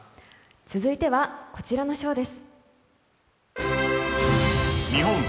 続いてはこちらの賞です。